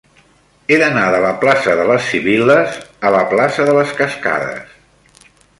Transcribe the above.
He d'anar de la plaça de les Sibil·les a la plaça de les Cascades.